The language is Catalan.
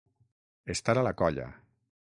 Estar a la colla.